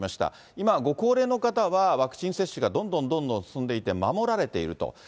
今、ご高齢の方は、ワクチン接種がどんどんどんどん進んでいて、守られていると。